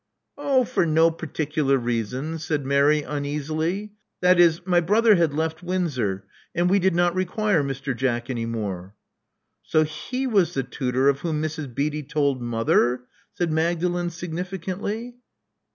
*' Oh, for no particular reason," said Mary uneasily. That is, my brother had left Windsor; and we did not require Mr. Jack any more." So he was the tutor of whom Mrs. Beatty told mother?" said Magdalen significantly.